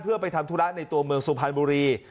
เพื่อไปทำธุระในตัวเมืองสุพรรณบุรี